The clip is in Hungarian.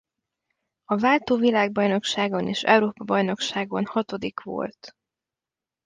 A váltó világbajnokságon és Európa-bajnokságon hatodik volt.